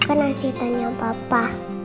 aku kan masih tanya papa